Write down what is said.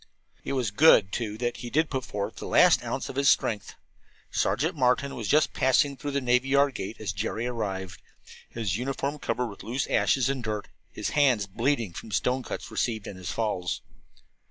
It was good, too, that he did put forth the last ounce of his strength. Sergeant Martin was just passing through the navy yard gate as Jerry arrived, his uniform covered with loose ashes and dirt, and his hands bleeding from stone cuts received in his falls.